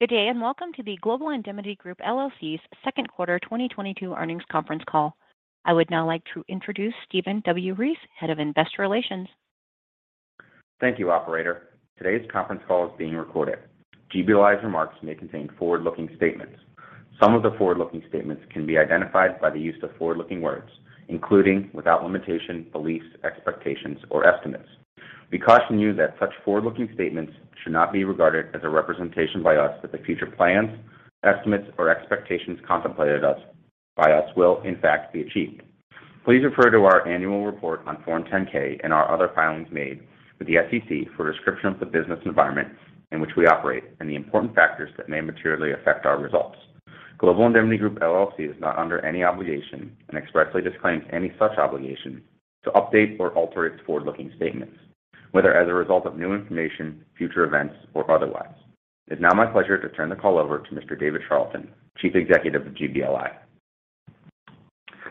Good day, and welcome to the Global Indemnity Group, LLC's second quarter 2022 earnings conference call. I would now like to introduce Stephen W. Ries, Head of Investor Relations. Thank you, operator. Today's conference call is being recorded. GBLI's remarks may contain forward-looking statements. Some of the forward-looking statements can be identified by the use of forward-looking words, including, without limitation, beliefs, expectations, or estimates. We caution you that such forward-looking statements should not be regarded as a representation by us that the future plans, estimates, or expectations contemplated by us will in fact be achieved. Please refer to our annual report on Form 10-K and our other filings made with the SEC for a description of the business environment in which we operate and the important factors that may materially affect our results. Global Indemnity Group, LLC is not under any obligation and expressly disclaims any such obligation to update or alter its forward-looking statements, whether as a result of new information, future events, or otherwise. It's now my pleasure to turn the call over to Mr. David Charlton, Chief Executive of GBLI.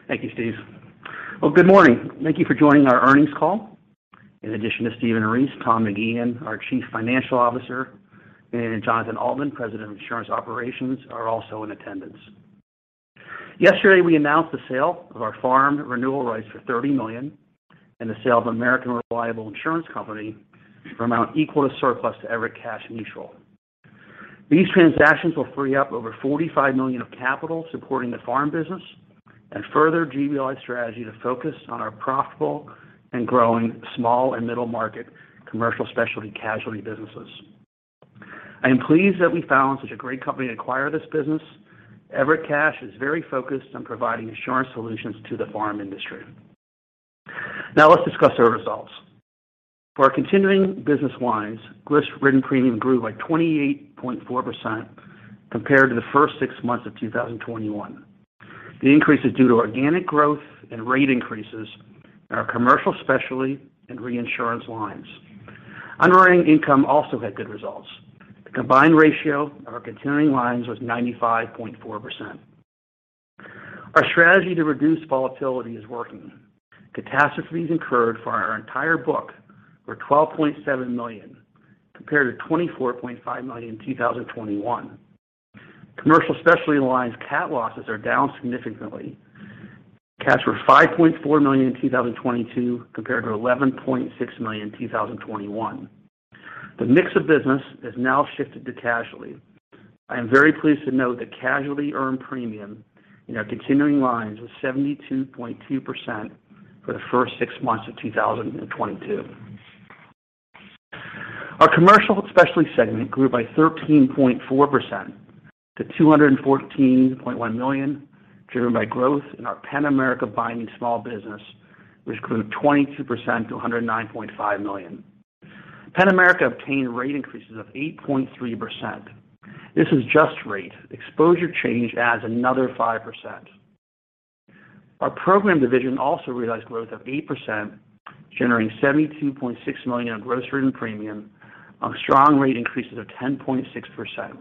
Thank you, Steve. Well, good morning. Thank you for joining our earnings call. In addition to Stephen W. Ries, Tom McGeehan, our Chief Financial Officer, and Jonathan Oltman, President of Insurance Operations, are also in attendance. Yesterday, we announced the sale of our farm renewal rights for $30 million and the sale of American Reliable Insurance Company for an amount equal to surplus to Everett Cash Mutual. These transactions will free up over $45 million of capital supporting the farm business and further GBLI's strategy to focus on our profitable and growing small and middle market Commercial Specialty casualty businesses. I am pleased that we found such a great company to acquire this business. Everett Cash Mutual is very focused on providing insurance solutions to the farm industry. Now let's discuss our results. For our continuing business lines, gross written premium grew by 28.4% compared to the first six months of 2021. The increase is due to organic growth and rate increases in our Commercial Specialty and Reinsurance lines. Underwriting income also had good results. The combined ratio of our continuing lines was 95.4%. Our strategy to reduce volatility is working. Catastrophes incurred for our entire book were $12.7 million, compared to $24.5 million in 2021. Commercial Specialty lines cat losses are down significantly. Cats were $5.4 million in 2022, compared to $11.6 million in 2021. The mix of business has now shifted to casualty. I am very pleased to note that casualty earned premium in our continuing lines was 72.2% for the first six months of 2022. Our Commercial Specialty segment grew by 13.4% to $214.1 million, driven by growth in our Penn-America binding small business, which grew 22% to $109.5 million. Penn-America obtained rate increases of 8.3%. This is just rate. Exposure change adds another 5%. Our program division also realized growth of 8%, generating $72.6 million of gross written premium on strong rate increases of 10.6%.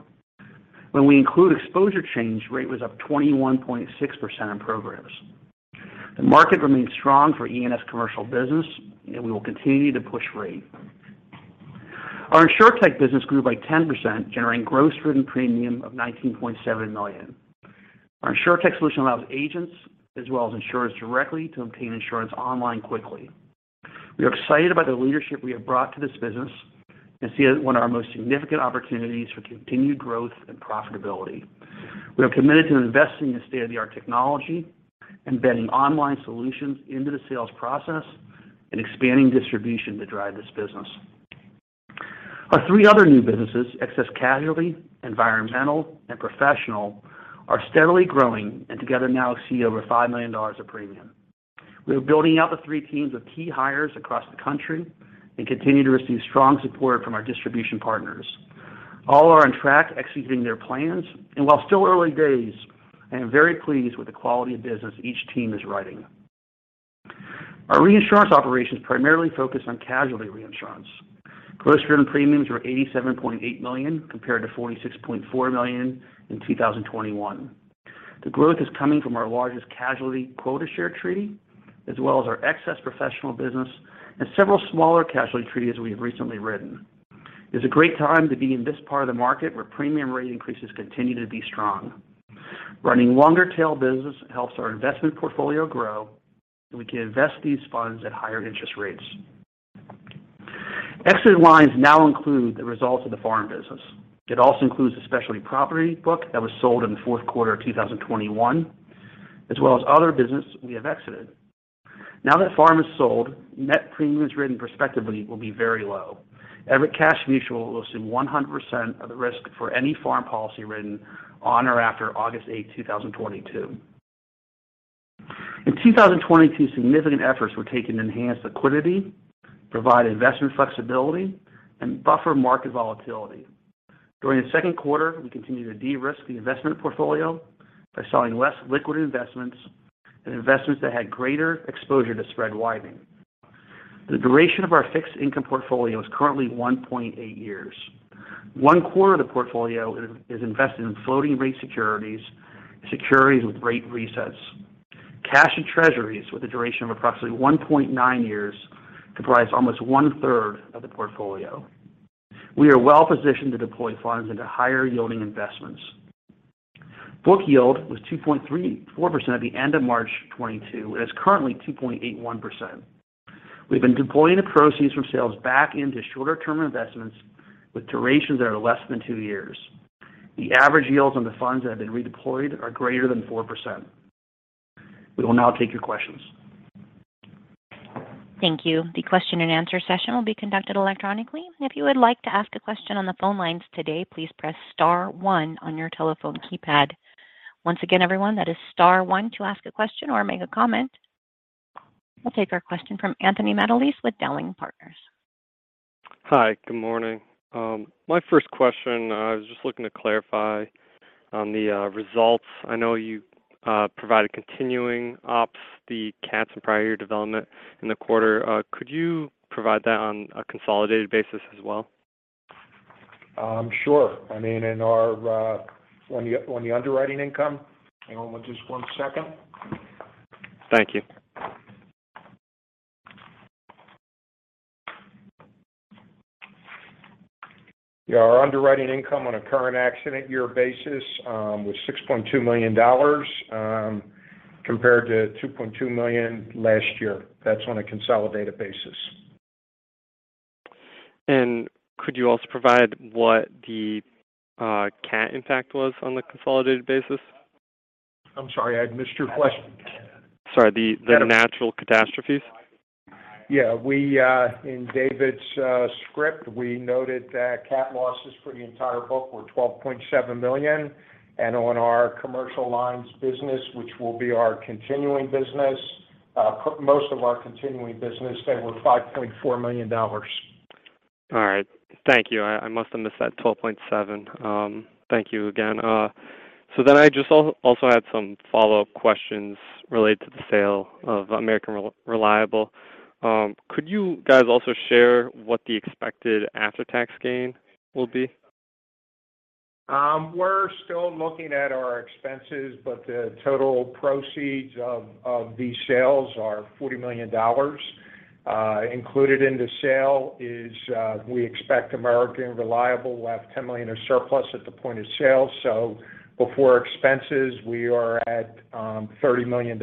When we include exposure change, rate was up 21.6% in programs. The market remains strong for E&S commercial business, and we will continue to push rate. Our InsurTech business grew by 10%, generating gross written premium of $19.7 million. Our InsurTech solution allows agents as well as insurers directly to obtain insurance online quickly. We are excited about the leadership we have brought to this business and see it as one of our most significant opportunities for continued growth and profitability. We are committed to investing in state-of-the-art technology, embedding online solutions into the sales process, and expanding distribution to drive this business. Our three other new businesses, Excess Casualty, Environmental, and Professional, are steadily growing and together now exceed over $5 million of premium. We are building out the three teams with key hires across the country and continue to receive strong support from our distribution partners. All are on track executing their plans, and while still early days, I am very pleased with the quality of business each team is writing. Our Reinsurance operations primarily focus on casualty reinsurance. Gross written premiums were $87.8 million, compared to $46.4 million in 2021. The growth is coming from our largest casualty quota share treaty, as well as our excess professional business and several smaller casualty treaties we have recently written. It's a great time to be in this part of the market where premium rate increases continue to be strong. Running longer-tail business helps our investment portfolio grow, and we can invest these funds at higher interest rates. Exited lines now include the results of the Farm business. It also includes a specialty property book that was sold in the fourth quarter of 2021, as well as other business we have exited. Now that Farm is sold, net premiums written prospectively will be very low. Everett Cash Mutual will assume 100% of the risk for any farm policy written on or after August 8, 2022. In 2022, significant efforts were taken to enhance liquidity, provide investment flexibility, and buffer market volatility. During the second quarter, we continued to de-risk the investment portfolio by selling less liquid investments and investments that had greater exposure to spread widening. The duration of our fixed income portfolio is currently 1.8 years. One quarter of the portfolio is invested in floating rate securities with rate resets. Cash and treasuries with a duration of approximately 1.9 years comprise almost one-third of the portfolio. We are well-positioned to deploy funds into higher-yielding investments. Book yield was 2.34% at the end of March 2022 and is currently 2.81%. We've been deploying the proceeds from sales back into shorter-term investments with durations that are less than two years. The average yields on the funds that have been redeployed are greater than 4%. We will now take your questions. Thank you. The question and answer session will be conducted electronically. If you would like to ask a question on the phone lines today, please press star one on your telephone keypad. Once again, everyone, that is star one to ask a question or make a comment. We'll take our question from Anthony Mottolese with Dowling & Partners. Hi, good morning. My first question, I was just looking to clarify on the results. I know you provided continuing ops, the CATs and prior year development in the quarter. Could you provide that on a consolidated basis as well? Sure. I mean, on the underwriting income. Hang on just one second. Thank you. Yeah, our underwriting income on a current accident year basis was $6.2 million, compared to $2.2 million last year. That's on a consolidated basis. Could you also provide what the CAT impact was on the consolidated basis? I'm sorry, I missed your question. Sorry. The natural catastrophes. Yeah. We in David's script, we noted that CAT losses for the entire book were $12.7 million. On our Commercial Lines business, which will be our continuing business, most of our continuing business, they were $5.4 million. All right. Thank you. I must have missed that $12.7 million. Thank you again. I just also had some follow-up questions related to the sale of American Reliable. Could you guys also share what the expected after-tax gain will be? We're still looking at our expenses, but the total proceeds of these sales are $40 million. Included in the sale is we expect American Reliable will have $10 million of surplus at the point of sale. Before expenses, we are at $30 million.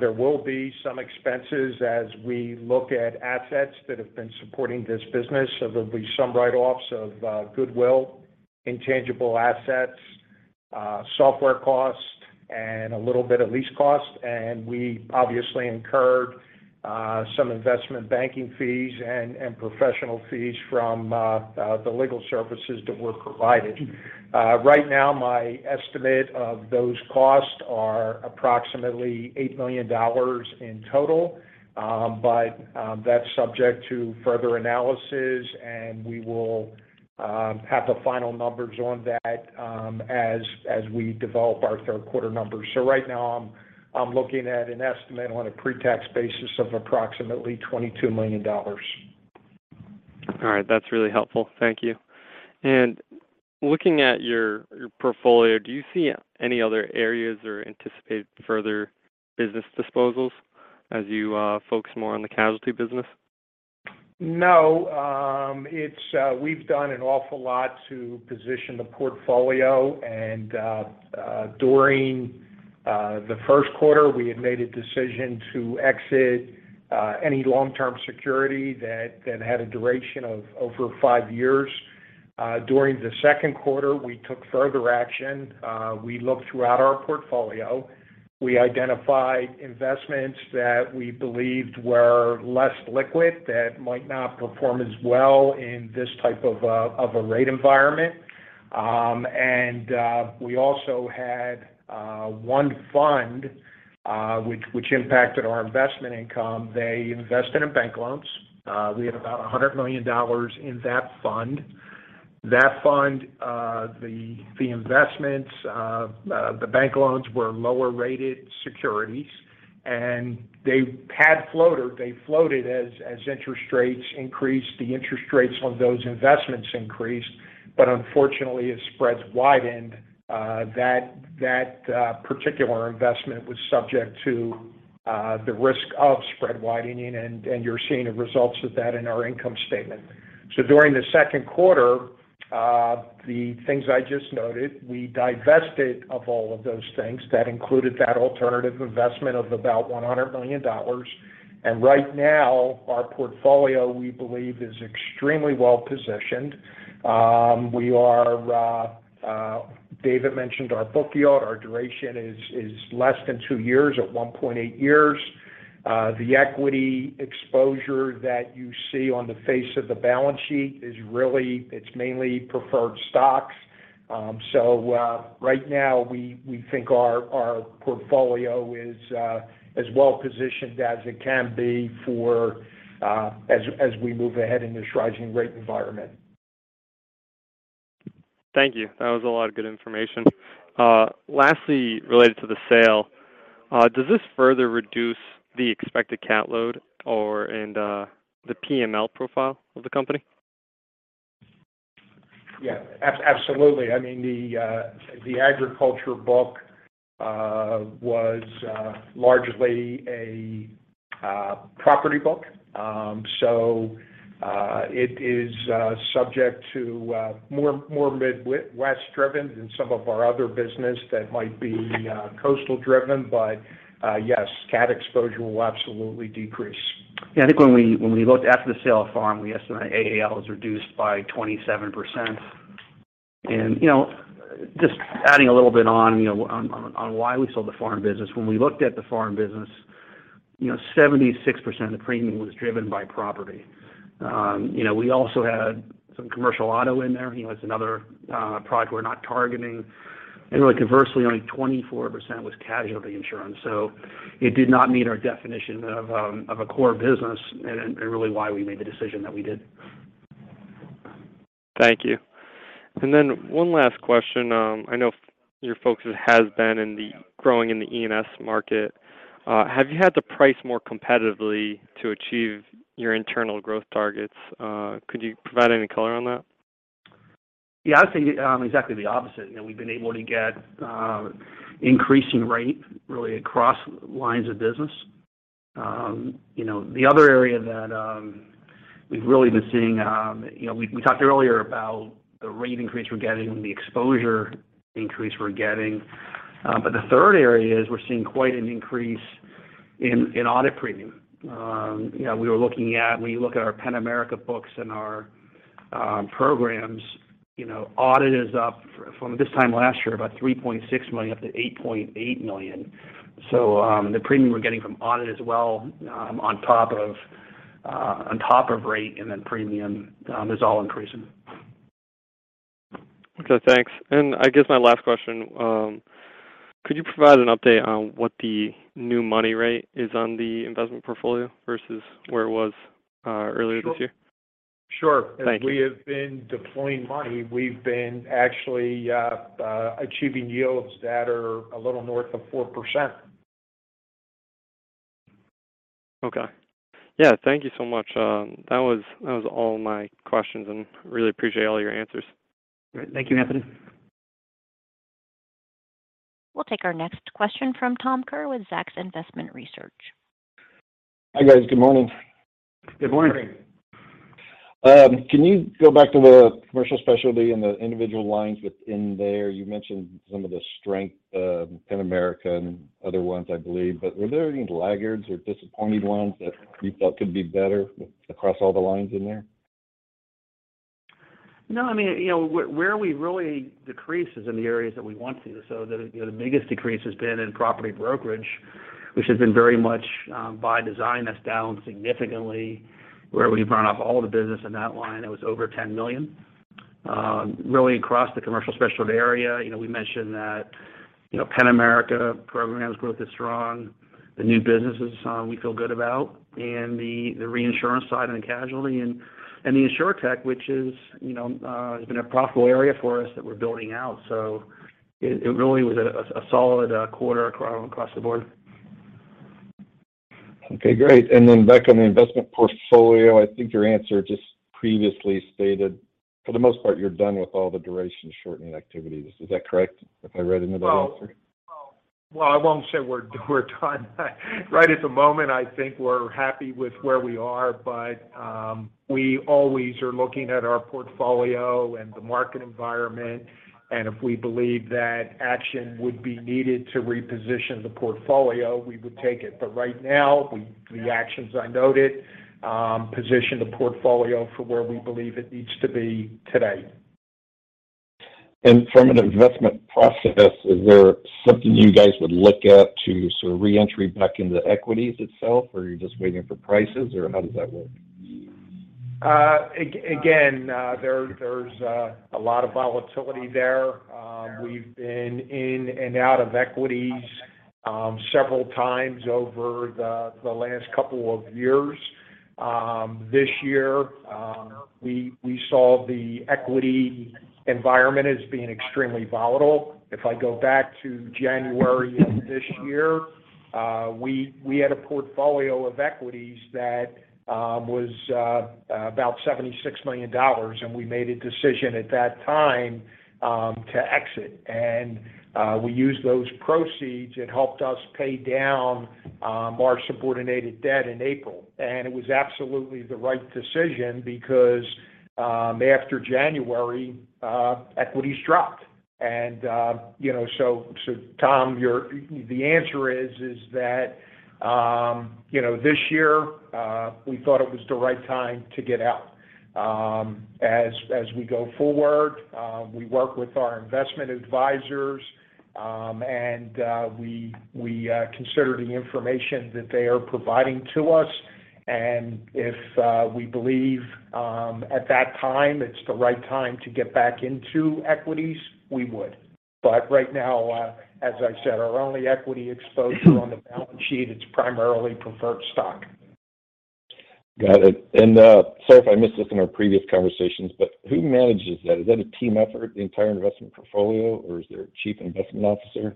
There will be some expenses as we look at assets that have been supporting this business. There'll be some write-offs of goodwill, intangible assets, software costs, and a little bit of lease cost. We obviously incurred some investment banking fees and professional fees from the legal services that were provided. Right now, my estimate of those costs are approximately $8 million in total. That's subject to further analysis, and we will have the final numbers on that, as we develop our third quarter numbers. Right now, I'm looking at an estimate on a pre-tax basis of approximately $22 million. All right. That's really helpful. Thank you. Looking at your portfolio, do you see any other areas or anticipate further business disposals as you focus more on the casualty business? No. It's we've done an awful lot to position the portfolio. During the first quarter, we had made a decision to exit any long-term security that had a duration of over five years. During the second quarter, we took further action. We looked throughout our portfolio. We identified investments that we believed were less liquid that might not perform as well in this type of a rate environment. We also had one fund which impacted our investment income. They invested in bank loans. We had about $100 million in that fund. That fund, the investments, the bank loans were lower rated securities, and they had floater. They floated as interest rates increased, the interest rates on those investments increased. Unfortunately, as spreads widened, that particular investment was subject to the risk of spread widening. You're seeing the results of that in our income statement. During the second quarter, the things I just noted, we divested of all of those things that included that alternative investment of about $100 million. Right now, our portfolio, we believe, is extremely well-positioned. David mentioned our book yield. Our duration is less than two years at 1.8 years. The equity exposure that you see on the face of the balance sheet is really mainly preferred stocks. Right now, we think our portfolio is as well-positioned as it can be as we move ahead in this rising rate environment. Thank you. That was a lot of good information. Lastly, related to the sale, does this further reduce the expected cat load or the PML profile of the company? Yeah, absolutely. I mean, the agriculture book was largely a property book. It is subject to more Midwest-driven than some of our other business that might be coastal-driven. Yes, cat exposure will absolutely decrease. Yeah, I think when we looked at the sale of farm, we estimate AAL is reduced by 27%. You know, just adding a little bit on, you know, on why we sold the Farm business. When we looked at the Farm business, you know, 76% of the premium was driven by property. You know, we also had some commercial auto in there. You know, that's another product we're not targeting. Really conversely, only 24% was casualty insurance. It did not meet our definition of a core business and really why we made the decision that we did. Thank you. One last question. I know your focus has been in the growing E&S market. Have you had to price more competitively to achieve your internal growth targets? Could you provide any color on that? Yeah, I'd say exactly the opposite. You know, we've been able to get increasing rate really across lines of business. You know, the other area that we've really been seeing, you know, we talked earlier about the rate increase we're getting and the exposure increase we're getting. The third area is we're seeing quite an increase in audit premium. You know, we were looking at, when you look at our Penn-America books and our programs, you know, audit is up from this time last year, about $3.6 million up to $8.8 million. The premium we're getting from audit as well, on top of rate and then premium, is all increasing. Okay, thanks. I guess my last question, could you provide an update on what the new money rate is on the investment portfolio versus where it was earlier this year? Sure. Thank you. As we have been deploying money, we've been actually achieving yields that are a little north of 4%. Okay. Yeah, thank you so much. That was all my questions, and really appreciate all your answers. Great. Thank you, Anthony. We'll take our next question from Tom Kerr with Zacks Investment Research. Hi, guys. Good morning. Good morning. Good morning. Can you go back to the Commercial Specialty and the individual lines within there? You mentioned some of the strength of Penn-America and other ones, I believe. Were there any laggards or disappointed ones that you felt could be better across all the lines in there? No, I mean, you know, where we really decrease is in the areas that we want to. The you know, the biggest decrease has been in property brokerage, which has been very much by design. That's down significantly, where we've run off all the business in that line. It was over $10 million. Really across the Commercial Specialty area, you know, we mentioned that, you know, Penn-America programs growth is strong. The new businesses, we feel good about. And the the Reinsurance side and the casualty and the InsurTech, which is, you know, has been a profitable area for us that we're building out. It really was a solid quarter across the board. Okay, great. Back on the investment portfolio. I think your answer just previously stated, for the most part, you're done with all the duration shortening activities. Is that correct, if I read into that answer? Well, well, well, I won't say we're done. Right at the moment, I think we're happy with where we are, but we always are looking at our portfolio and the market environment, and if we believe that action would be needed to reposition the portfolio, we would take it. Right now, the actions I noted position the portfolio for where we believe it needs to be today. From an investment process, is there something you guys would look at to sort of reenter back into equities itself, or you're just waiting for prices, or how does that work? Again, there's a lot of volatility there. We've been in and out of equities several times over the last couple of years. This year, we saw the equity environment as being extremely volatile. If I go back to January of this year, we had a portfolio of equities that was about $76 million, and we made a decision at that time to exit. We used those proceeds. It helped us pay down our subordinated debt in April. It was absolutely the right decision because after January, equities dropped. You know, Tom, the answer is that you know, this year, we thought it was the right time to get out. As we go forward, we work with our investment advisors, and we consider the information that they are providing to us. If we believe at that time it's the right time to get back into equities, we would. Right now, as I said, our only equity exposure on the balance sheet, it's primarily preferred stock. Got it. Sorry if I missed this in our previous conversations, but who manages that? Is that a team effort, the entire investment portfolio, or is there a chief investment officer?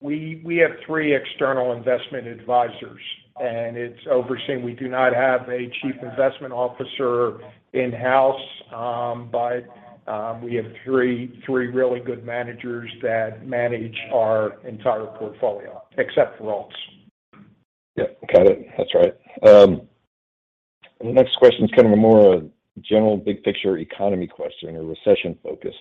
We have three external investment advisors, and it's overseen. We do not have a chief investment officer in-house, but we have three really good managers that manage our entire portfolio except for alts. Yeah, got it. That's right. The next question is kind of a more general big picture economy question or recession-focused.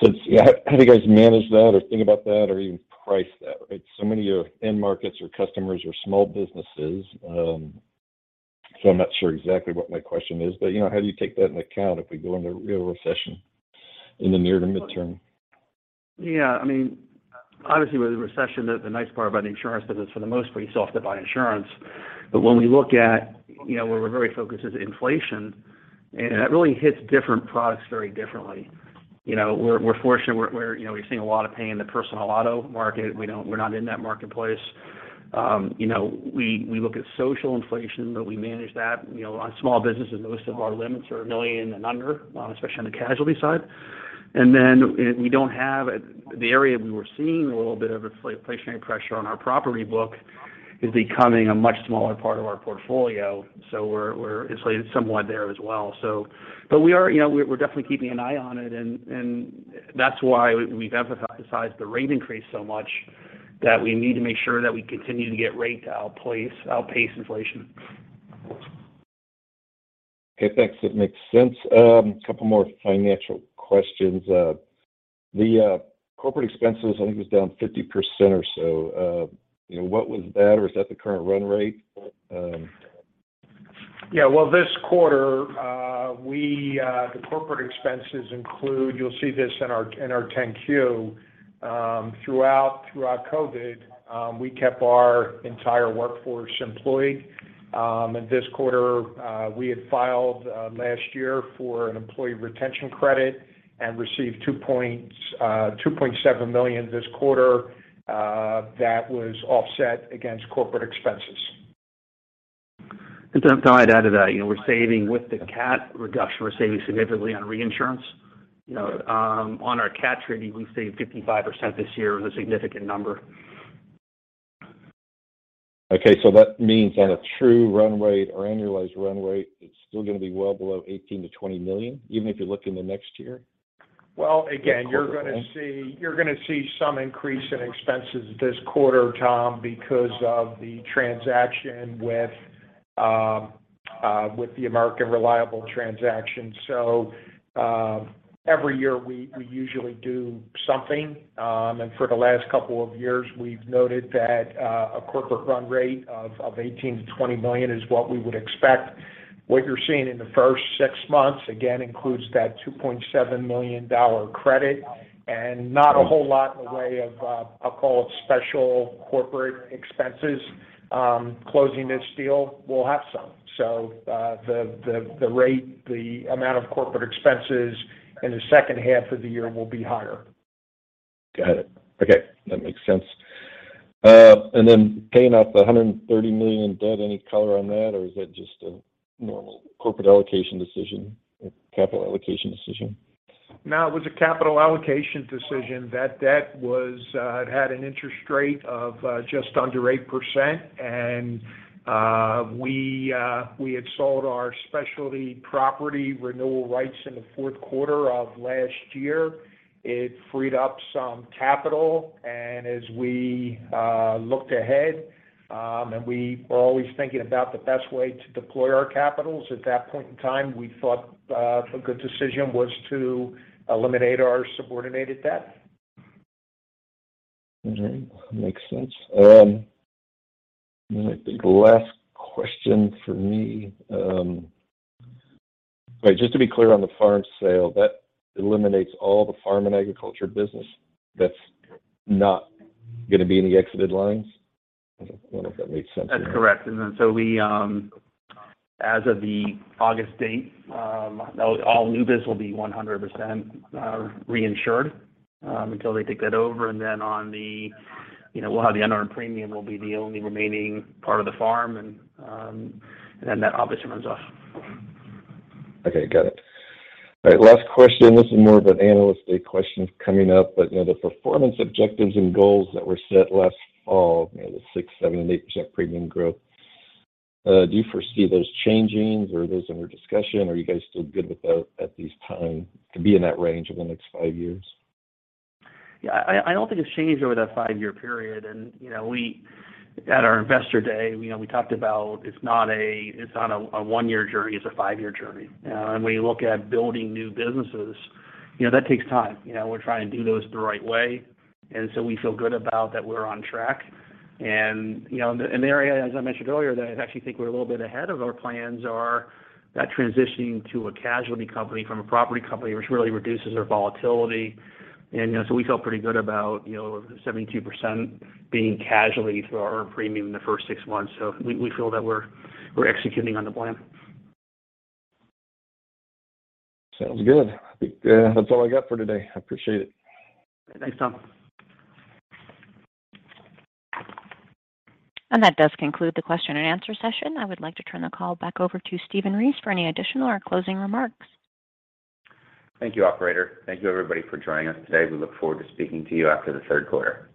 It's how do you guys manage that or think about that or even price that, right? Many of your end markets or customers or small businesses, so I'm not sure exactly what my question is. You know, how do you take that into account if we go into a real recession in the near to midterm? Yeah, I mean, obviously, with a recession, the nice part about insurance business for the most part, you still have to buy insurance. When we look at, you know, where we're very focused is inflation, and that really hits different products very differently. You know, we're fortunate. You know, we've seen a lot of pain in the personal auto market. We're not in that marketplace. You know, we look at social inflation, but we manage that. You know, on small businesses, most of our limits are $1 million and under, especially on the casualty side. The area we were seeing a little bit of inflationary pressure on our property book is becoming a much smaller part of our portfolio, so we're insulated somewhat there as well. We are, you know, we're definitely keeping an eye on it and that's why we've emphasized the rate increase so much, that we need to make sure that we continue to get rate to outpace inflation. Okay, thanks. That makes sense. A couple more financial questions. The corporate expenses, I think, was down 50% or so. You know, what was that? Or is that the current run rate? Yeah. Well, this quarter, the corporate expenses include. You'll see this in our 10-Q. Throughout COVID, we kept our entire workforce employed. This quarter, we had filed last year for an employee retention credit and received $2.7 million this quarter, that was offset against corporate expenses. Tom, if I could add to that. You know, we're saving with the CAT reduction, we're saving significantly on Reinsurance. You know, on our CAT treaty, we saved 55% this year. It was a significant number. Okay. That means on a true run rate or annualized run rate, it's still gonna be well below $18 million-$20 million, even if you look in the next year? Well, again, you're gonna see some increase in expenses this quarter, Tom, because of the transaction with the American Reliable transaction. Every year, we usually do something. For the last couple of years, we've noted that a corporate run rate of $18 million-$20 million is what we would expect. What you're seeing in the first six months, again, includes that $2.7 million credit and not a whole lot in the way of I'll call it special corporate expenses. Closing this deal, we'll have some. The rate, the amount of corporate expenses in the second half of the year will be higher. Got it. Okay, that makes sense. Paying off the $130 million in debt, any color on that, or is that just a normal capital allocation decision? No, it was a capital allocation decision. That debt was, it had an interest rate of just under 8%. We had sold our specialty property renewal rights in the fourth quarter of last year. It freed up some capital. As we looked ahead, we were always thinking about the best way to deploy our capitals. At that point in time, we thought a good decision was to eliminate our subordinated debt. All right. Makes sense. I think the last question for me. Wait, just to be clear on the farm sale, that eliminates all the farm and agriculture business that's not gonna be in the exited lines? I don't know if that makes sense. That's correct. We, as of the August date, new biz will be 100% reinsured until they take that over. You know, we'll have the earned premium will be the only remaining part of the farm. That obviously runs off. Okay, got it. All right, last question. This is more of an Analyst Day question coming up. You know, the performance objectives and goals that were set last fall, you know, the 6, 7, and 8% premium growth, do you foresee those changing or are those under discussion? Are you guys still good with those at this time to be in that range over the next five years? Yeah. I don't think it's changed over that five-year period. You know, we at our investor day, you know, we talked about it's not a one-year journey, it's a five-year journey. When you look at building new businesses, you know, that takes time. You know, we're trying to do those the right way, and so we feel good about that we're on track. You know, and the area, as I mentioned earlier, that I actually think we're a little bit ahead of our plans are that transitioning to a casualty company from a property company, which really reduces our volatility. You know, we feel pretty good about, you know, 72% being casualty through our premium in the first six months. We feel that we're executing on the plan. Sounds good. I think, that's all I got for today. I appreciate it. Thanks, Tom. That does conclude the question and answer session. I would like to turn the call back over to Stephen Ries for any additional or closing remarks. Thank you, operator. Thank you everybody for joining us today. We look forward to speaking to you after the third quarter.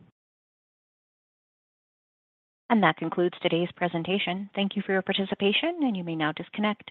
That concludes today's presentation. Thank you for your participation, and you may now disconnect.